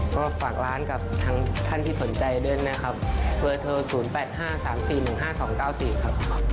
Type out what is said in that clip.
ก็ฝากร้านกับทางท่านที่สนใจด้วยนะครับเบอร์โทร๐๘๕๓๔๑๕๒๙๔ครับ